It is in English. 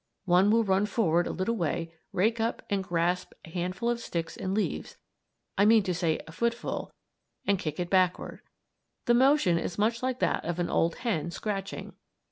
One will run forward a little way, rake up and grasp a handful of sticks and leaves I mean to say a footful and kick it backward. The motion is much like that of an old hen scratching.